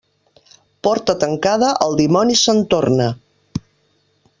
Porta tancada, el dimoni se'n torna.